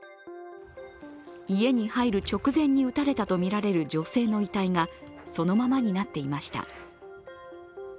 家に入る直前に撃たれたとみられる女性の遺体がそのままになっていました。